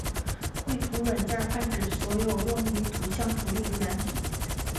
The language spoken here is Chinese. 绘图软件泛指所有用于图像处理的软体。